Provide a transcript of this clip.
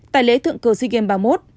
tại lễ thượng cơ sea games ba mươi một